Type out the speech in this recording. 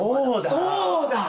そうだ！